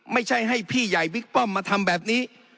ไม่ใช่ให้พี่ใหญ่บิ๊กป้อมมาทำแบบนี้